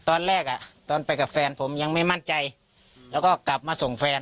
ตอนแรกอ่ะตอนไปกับแฟนผมยังไม่มั่นใจแล้วก็กลับมาส่งแฟน